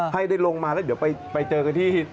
ให้ได้ลงมาแล้วเดี๋ยวไปเจอกันที่